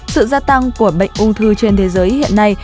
sự gia tăng của bệnh ung thư trên thế giới hiện nay